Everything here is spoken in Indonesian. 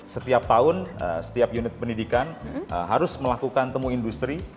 setiap tahun setiap unit pendidikan harus melakukan temu industri